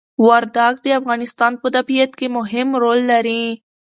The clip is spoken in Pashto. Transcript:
وردګ د افغانستان په طبيعت کي مهم ړول لري